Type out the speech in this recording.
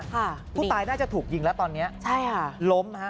ผู้ตายน่าจะถูกยิงแล้วตอนเนี้ยใช่ค่ะล้มฮะ